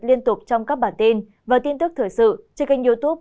liên tục trong các bản tin và tin tức thời sự trên kênh youtube